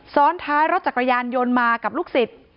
ซ้อนท้ายรถจักรยานยนต์มากับลูกศิษย์